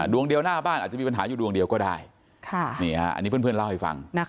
ดวงเดียวหน้าบ้านอาจจะมีปัญหาอยู่ดวงเดียวก็ได้อันนี้เพื่อนเล่าให้ฟัง